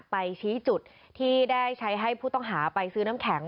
ไปชี้จุดที่ได้ใช้ให้ผู้ต้องหาไปซื้อน้ำแข็ง